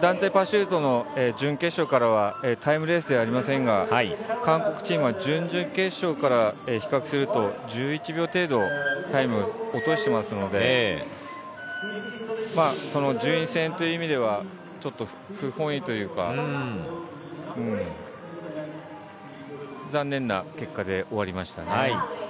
団体パシュートの準決勝からはタイムレースではありませんが韓国チームは準々決勝から比較すると１１秒程度タイムを落としていますので順位戦という意味では不本意というか残念な結果で終わりましたね。